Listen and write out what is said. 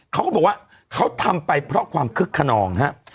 เขาก็บอกว่าเขาทำไปเพราะความคึกขนองฮะ